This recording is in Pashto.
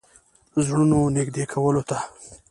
زړونو نېږدې کولو ته.